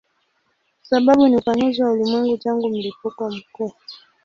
Sababu ni upanuzi wa ulimwengu tangu mlipuko mkuu.